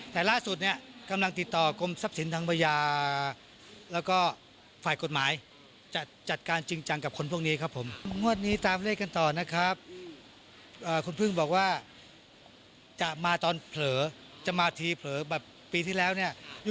แต่ล่าสุดเนี่ยกำลังติดต่อกรมทรัพย์สินทางประยาแล้วก็ฝ่ายกฎหมาย